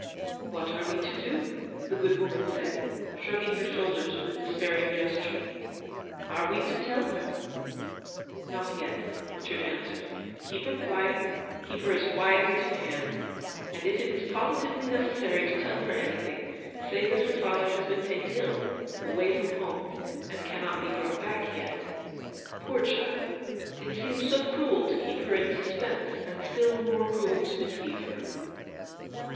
w What are we to do ?" the good woman said, shrugging her shoulders with a despairing gesture. "Are we to tell her ?" "Xot yet," Richard answered. "Keep her quiet ; keep her as quiet as you can. And if it is positively necessary to tell her anything, say that her father has been taken ill, away from home, and cannot be brought back yet. Poor child ! it seems so cruel to keep her in suspense, and still more cruel to deceive her."